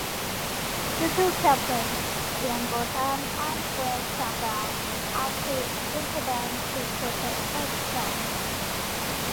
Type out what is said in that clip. The two captains, Ian Botham and Greg Chappell, had to intervene to protect Constant.